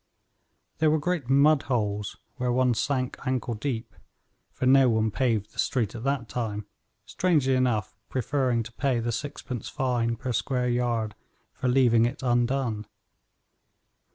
There were great mud holes where one sank ankle deep, for no one paved the street at that time, strangely enough preferring to pay the sixpence fine per square yard for leaving it undone.